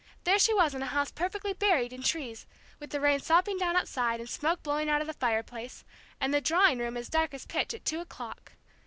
There she was in a house perfectly buried in trees, with the rain sopping down outside, and smoke blowing out of the fireplace, and the drawing room as dark as pitch at two o'clock.